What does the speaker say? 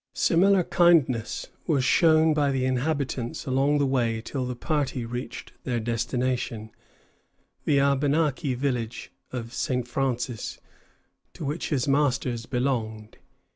Similar kindness was shown by the inhabitants along the way till the party reached their destination, the Abenaki village of St. Francis, to which his masters belonged.